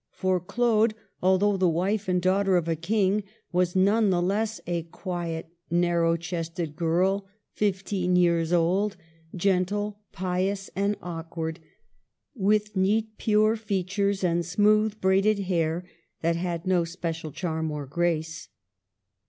For Claude, although the wife and daughter of a king, was none the less a quiet, narrow chested girl, fifteen years old, gentle, pious, and awkward, with neat, pure features and smooth braided hair that had no special charm or grace.